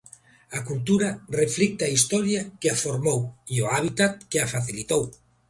A cultura reflexa a historia que a formou e o hábitat que a facilitou.